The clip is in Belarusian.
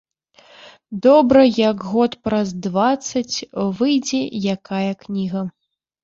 Добра, як год праз дваццаць выйдзе якая кніга.